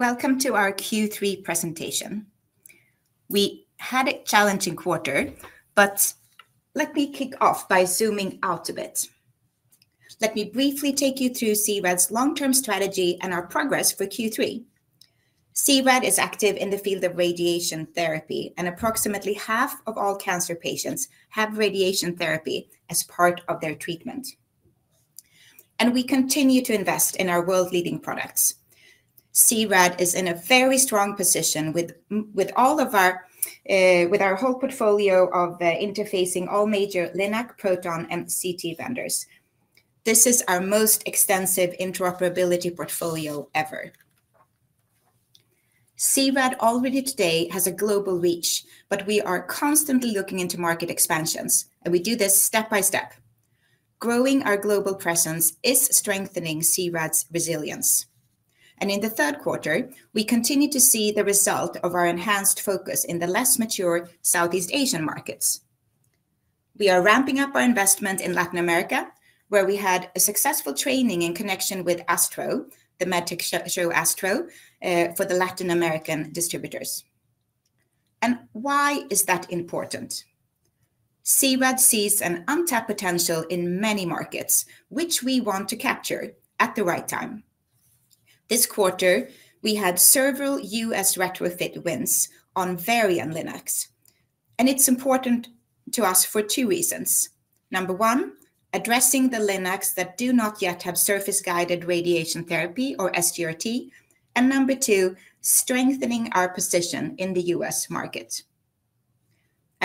Welcome to our Q3 presentation. We had a challenging quarter, but let me kick off by zooming out a bit. Let me briefly take you through C-RAD's long-term strategy and our progress for Q3. C-RAD is active in the field of radiation therapy, and approximately half of all cancer patients have radiation therapy as part of their treatment, and we continue to invest in our world-leading products. C-RAD is in a very strong position with all of our whole portfolio of interfacing all major LINAC proton and CT vendors. This is our most extensive interoperability portfolio ever. C-RAD already today has a global reach, but we are constantly looking into market expansions, and we do this step by step. Growing our global presence is strengthening C-RAD's resilience, and in the third quarter, we continued to see the result of our enhanced focus in the less mature Southeast Asian markets. We are ramping up our investment in Latin America, where we had a successful training in connection with ASTRO, the medical show, for the Latin American distributors. And why is that important? C-RAD sees an untapped potential in many markets, which we want to capture at the right time. This quarter, we had several U.S. retrofit wins on Varian LINACs, and it's important to us for two reasons: number one, addressing the LINACs that do not yet have surface-guided radiation therapy or SGRT, and number two, strengthening our position in the U.S. market.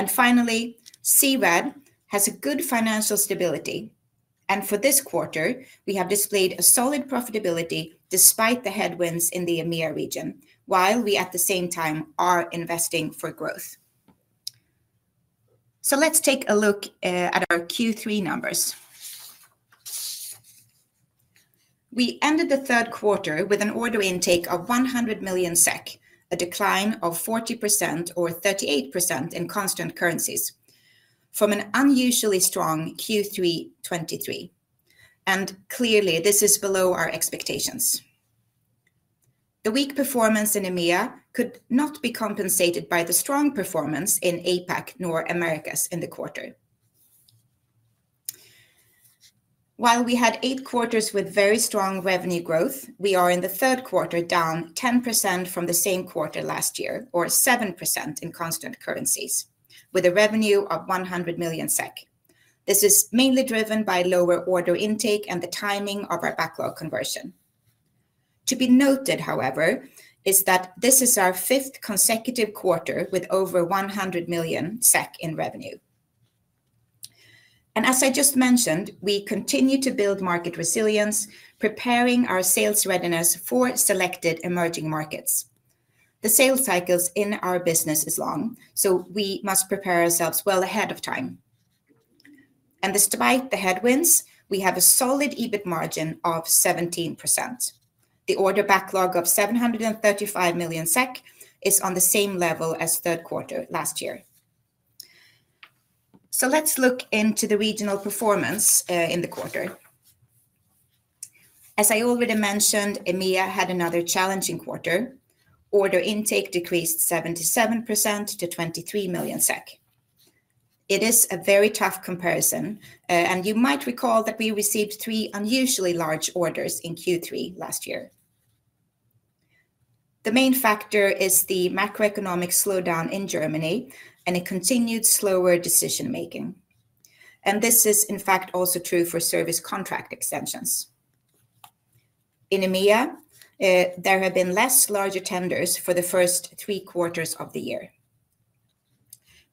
Finally, C-RAD has a good financial stability, and for this quarter, we have displayed a solid profitability despite the headwinds in the EMEA region, while we at the same time are investing for growth. Let's take a look at our Q3 numbers. We ended the third quarter with an order intake of 100 million SEK, a decline of 40% or 38% in constant currencies from an unusually strong Q3 2023, and clearly, this is below our expectations. The weak performance in EMEA could not be compensated by the strong performance in APAC nor Americas in the quarter. While we had eight quarters with very strong revenue growth, we are in the third quarter down 10% from the same quarter last year, or 7% in constant currencies, with a revenue of 100 million SEK. This is mainly driven by lower order intake and the timing of our backlog conversion. To be noted, however, is that this is our fifth consecutive quarter with over 100 million SEK in revenue. And as I just mentioned, we continue to build market resilience, preparing our sales readiness for selected emerging markets. The sales cycles in our business is long, so we must prepare ourselves well ahead of time. And despite the headwinds, we have a solid EBIT margin of 17%. The order backlog of 735 million SEK is on the same level as third quarter last year. So let's look into the regional performance, in the quarter. As I already mentioned, EMEA had another challenging quarter. Order intake decreased 77% to 23 million SEK. It is a very tough comparison, and you might recall that we received three unusually large orders in Q3 last year. The main factor is the macroeconomic slowdown in Germany and a continued slower decision-making, and this is, in fact, also true for service contract extensions. In EMEA, there have been less larger tenders for the first three quarters of the year.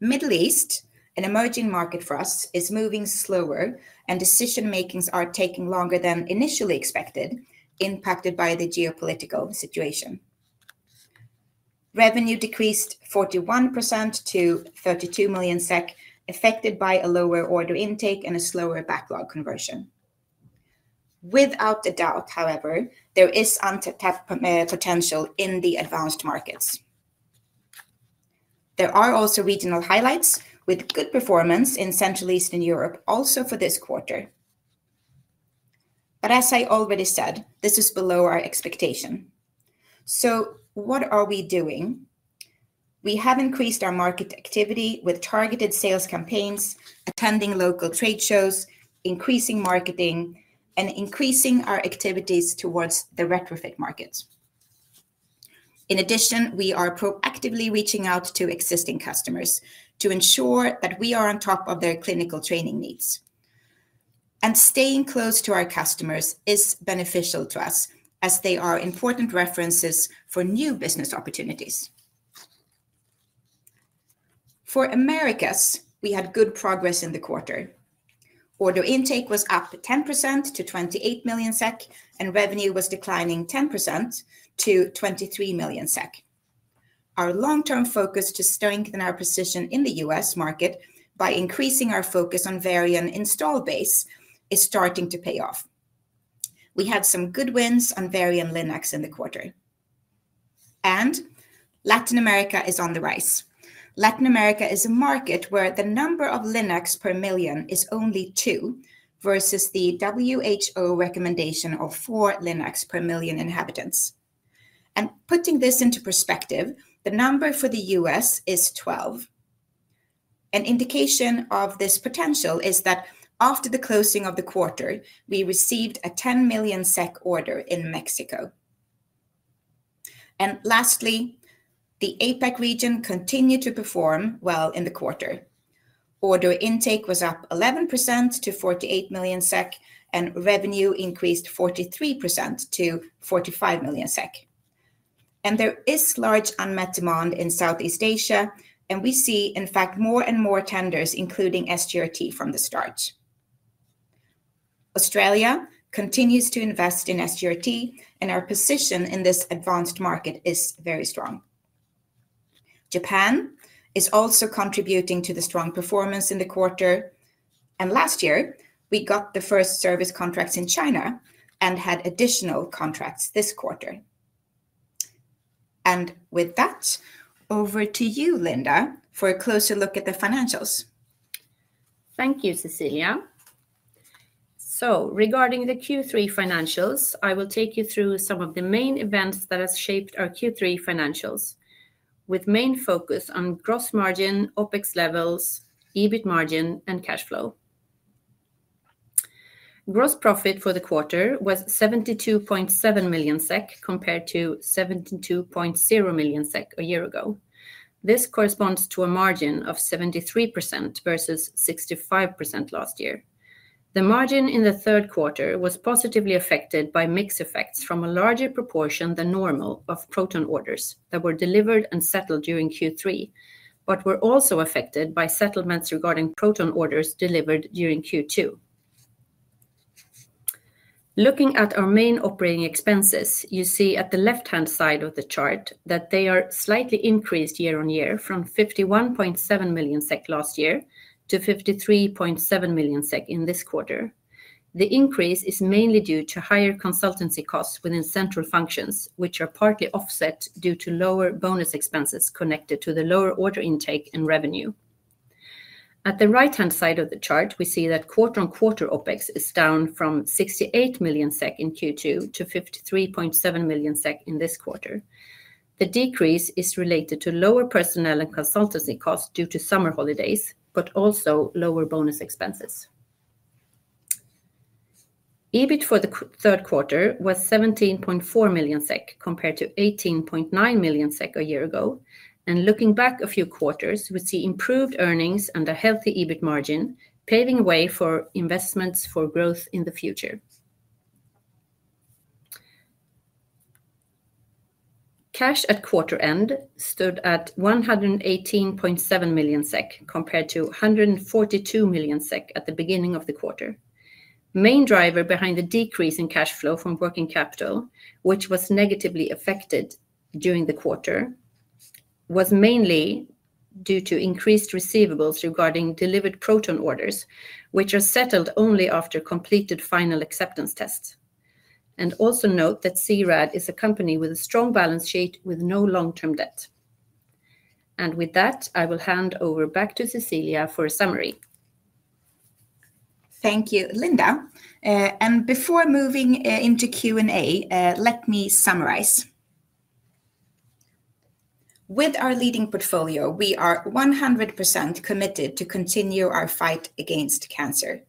Middle East, an emerging market for us, is moving slower, and decision-makings are taking longer than initially expected, impacted by the geopolitical situation. Revenue decreased 41% to 32 million SEK, affected by a lower order intake and a slower backlog conversion. Without a doubt, however, there is untapped potential in the advanced markets. There are also regional highlights with good performance in Central Eastern Europe, also for this quarter. But as I already said, this is below our expectation. So what are we doing? We have increased our market activity with targeted sales campaigns, attending local trade shows, increasing marketing, and increasing our activities towards the retrofit markets. In addition, we are proactively reaching out to existing customers to ensure that we are on top of their clinical training needs, and staying close to our customers is beneficial to us as they are important references for new business opportunities. For Americas, we had good progress in the quarter. Order intake was up 10% to 28 million SEK, and revenue was declining 10% to 23 million SEK. Our long-term focus to strengthen our position in the US market by increasing our focus on Varian installed base is starting to pay off. We had some good wins on Varian LINAC in the quarter, and Latin America is on the rise. Latin America is a market where the number of LINACs per million is only two, versus the WHO recommendation of four LINACs per million inhabitants. Putting this into perspective, the number for the U.S. is 12. An indication of this potential is that after the closing of the quarter, we received a 10 million SEK order in Mexico. Lastly, the APAC region continued to perform well in the quarter. Order intake was up 11% to 48 million SEK, and revenue increased 43% to 45 million SEK. There is large unmet demand in Southeast Asia, and we see, in fact, more and more tenders, including SGRT from the start. Australia continues to invest in SGRT, and our position in this advanced market is very strong. Japan is also contributing to the strong performance in the quarter, and last year, we got the first service contracts in China and had additional contracts this quarter, and with that, over to you, Linda, for a closer look at the financials. Thank you, Cecilia. So regarding the Q3 financials, I will take you through some of the main events that have shaped our Q3 financials, with main focus on gross margin, OpEx levels, EBIT margin, and cash flow. Gross profit for the quarter was 72.7 million SEK, compared to 72.0 million SEK a year ago. This corresponds to a margin of 73% versus 65% last year. The margin in the third quarter was positively affected by mix effects from a larger proportion than normal of proton orders that were delivered and settled during Q3, but were also affected by settlements regarding proton orders delivered during Q2. Looking at our main operating expenses, you see at the left-hand side of the chart that they are slightly increased year on year from 51.7 million SEK last year to 53.7 million SEK in this quarter. The increase is mainly due to higher consultancy costs within central functions, which are partly offset due to lower bonus expenses connected to the lower order intake and revenue. At the right-hand side of the chart, we see that quarter-on-quarter OpEx is down from 68 million SEK in Q2 to 53.7 million SEK in this quarter. The decrease is related to lower personnel and consultancy costs due to summer holidays, but also lower bonus expenses. EBIT for the third quarter was 17.4 million SEK, compared to 18.9 million SEK a year ago. Looking back a few quarters, we see improved earnings and a healthy EBIT margin, paving way for investments for growth in the future. Cash at quarter end stood at 118.7 million SEK, compared to 142 million SEK at the beginning of the quarter. Main driver behind the decrease in cash flow from working capital, which was negatively affected during the quarter, was mainly due to increased receivables regarding delivered proton orders, which are settled only after completed final acceptance tests. And also note that C-RAD is a company with a strong balance sheet, with no long-term debt. And with that, I will hand over back to Cecilia for a summary. Thank you, Linda. And before moving into Q&A, let me summarize. With our leading portfolio, we are 100% committed to continue our fight against cancer.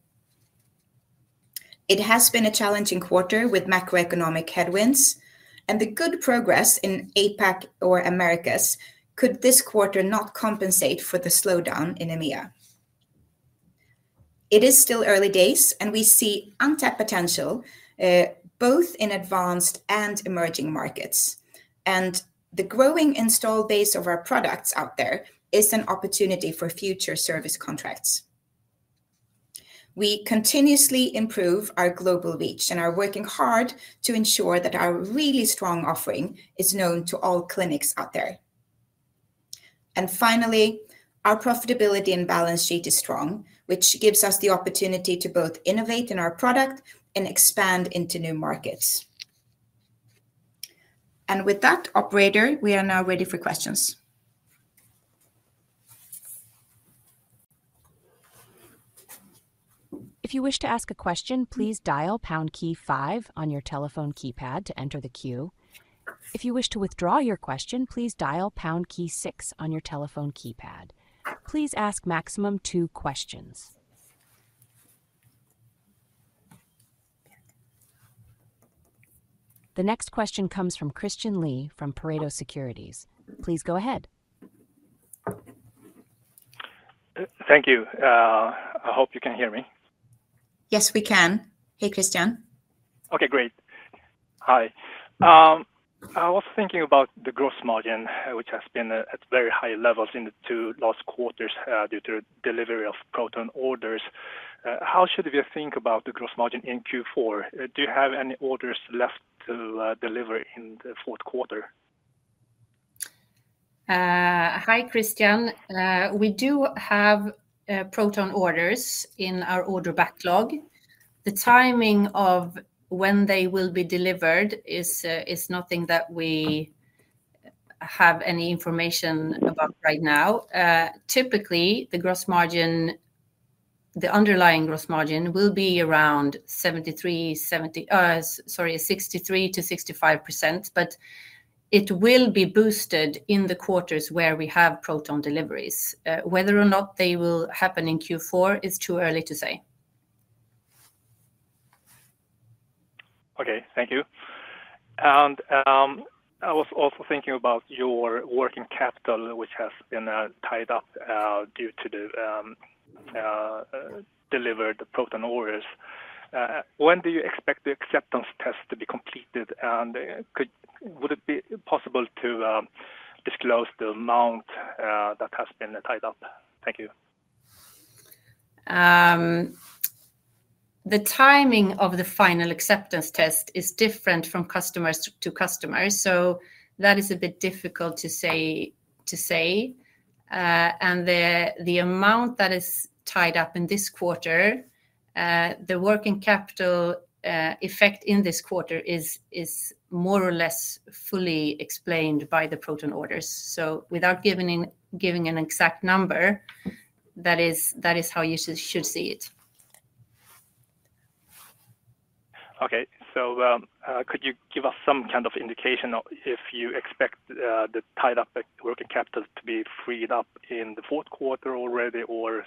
It has been a challenging quarter with macroeconomic headwinds, and the good progress in APAC or Americas could this quarter not compensate for the slowdown in EMEA. It is still early days, and we see untapped potential both in advanced and emerging markets. And the growing installed base of our products out there is an opportunity for future service contracts. We continuously improve our global reach and are working hard to ensure that our really strong offering is known to all clinics out there. And finally, our profitability and balance sheet is strong, which gives us the opportunity to both innovate in our product and expand into new markets. And with that, operator, we are now ready for questions. If you wish to ask a question, please dial pound key five on your telephone keypad to enter the queue. If you wish to withdraw your question, please dial pound key six on your telephone keypad. Please ask maximum two questions. The next question comes from Christian Lee from Pareto Securities. Please go ahead. Thank you. I hope you can hear me. Yes, we can. Hey, Christian. Okay, great. Hi. I was thinking about the gross margin, which has been at very high levels in the two last quarters, due to delivery of proton orders. How should we think about the gross margin in Q4? Do you have any orders left to deliver in the fourth quarter?... Hi, Christian. We do have proton orders in our order backlog. The timing of when they will be delivered is nothing that we have any information about right now. Typically, the gross margin, the underlying gross margin will be around 63%-65%, but it will be boosted in the quarters where we have proton deliveries. Whether or not they will happen in Q4, it's too early to say. Okay, thank you. I was also thinking about your working capital, which has been tied up due to the delivered proton orders. When do you expect the acceptance test to be completed, and would it be possible to disclose the amount that has been tied up? Thank you. The timing of the final acceptance test is different from customers to customers, so that is a bit difficult to say. The amount that is tied up in this quarter, the working capital effect in this quarter is more or less fully explained by the proton orders. So without giving an exact number, that is how you should see it. Could you give us some kind of indication of if you expect the tied up working capital to be freed up in the fourth quarter already, or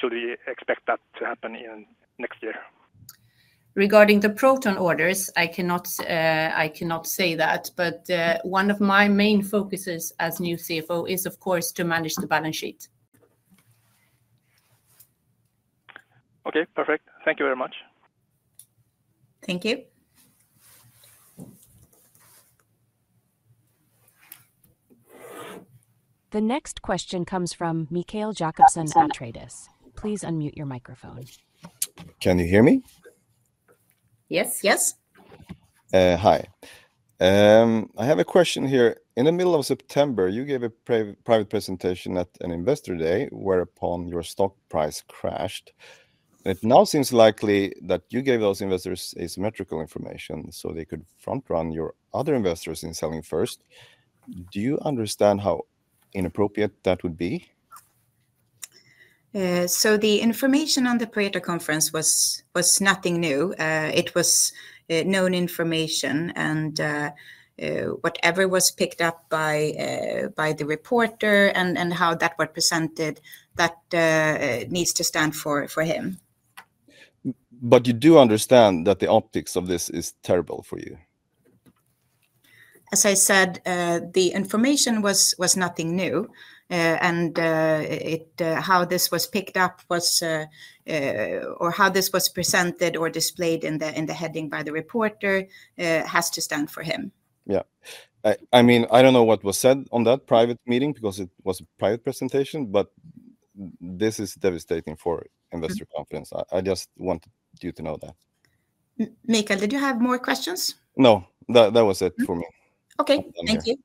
should we expect that to happen in next year? Regarding the proton orders, I cannot say that, but one of my main focuses as new CFO is, of course, to manage the balance sheet. Okay, perfect. Thank you very much. Thank you. The next question comes from Mikael Jakobsson, Atreides. Please unmute your microphone. Can you hear me? Yes. Yes. Hi. I have a question here. In the middle of September, you gave a private presentation at an investor day, whereupon your stock price crashed. It now seems likely that you gave those investors asymmetrical information so they could front-run your other investors in selling first. Do you understand how inappropriate that would be? So the information on the Pareto conference was nothing new. It was known information and whatever was picked up by the reporter and how that was presented, that needs to stand for him. But you do understand that the optics of this is terrible for you? As I said, the information was nothing new. And, it-- how this was picked up was, or how this was presented or displayed in the heading by the reporter, has to stand for him. Yeah. I mean, I don't know what was said on that private meeting because it was a private presentation, but this is devastating for investor confidence. I just want you to know that. Mikael, did you have more questions? No, that was it for me. Okay. Thank you.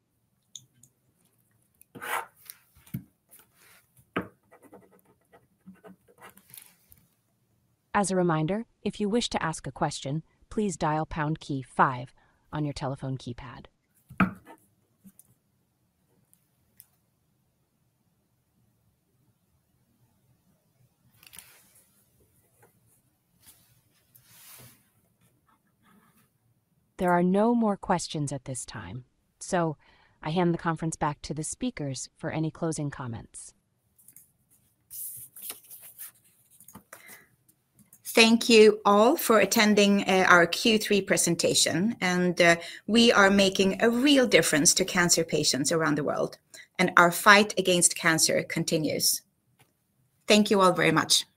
Thank you. As a reminder, if you wish to ask a question, please dial pound key five on your telephone keypad. There are no more questions at this time, so I hand the conference back to the speakers for any closing comments. Thank you all for attending our Q3 presentation, and we are making a real difference to cancer patients around the world, and our fight against cancer continues. Thank you all very much.